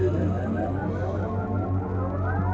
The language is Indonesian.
hal itu sudah mulai detected